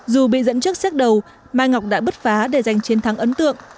dù bị dẫn trước xét đầu mai ngọc đã bứt phá để giành chiến thắng ấn tượng